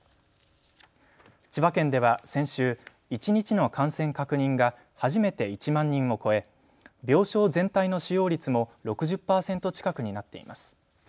千葉県では先週、一日の感染確認が初めて１万人を超え病床全体の使用率も６０％近くになっています。